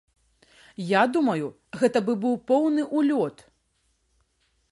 Я думаю, гэта быў бы поўны ўлёт!